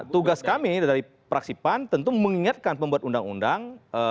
tugas kami dari praksipan tentu mengingatkan pembuat undang undang